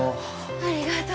ありがとう。